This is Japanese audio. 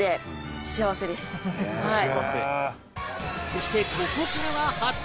そしてここからは初公開